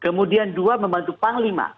kemudian dua membantu panglima